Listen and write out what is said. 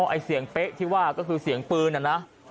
ไอ้เสียงเป๊ะที่ว่าก็คือเสียงปืนนะ